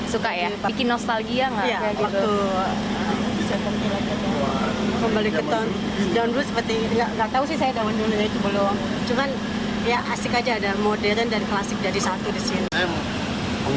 suka ya bikin nostalgia gak